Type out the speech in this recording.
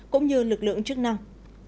cũng như lực lượng chức năng